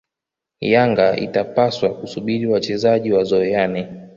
Yanga itapaswa kusubiri wachezaji wazoeane